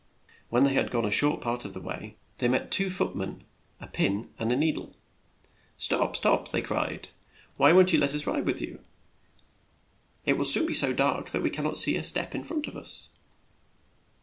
When they had gone a short part of the way, they met two A SET OF ROGUES 107 foot men, a pin and a nee dle. "Stop, stop!" they cried. "Won't you let us ride with you? It will soon be so dark that we can not see a step in front of us."